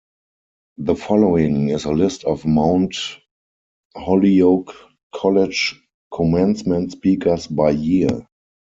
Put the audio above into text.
The following is a list of Mount Holyoke College Commencement Speakers by year.